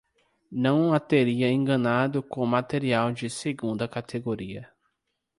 não a teria enganado com material de segunda categoria.